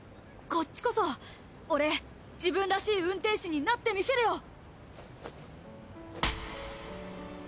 こっちこそ俺自分らしい運転士になってみせるよ。